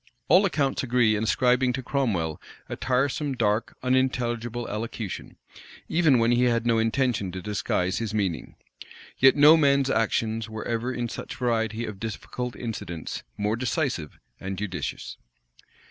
All accounts agree in ascribing to Cromwell a tiresome, dark, unintelligible elocution, even when he had no intention to disguise his meaning: yet no man's actions were ever, in such a variety of difficult incidents, more decisive and judicious.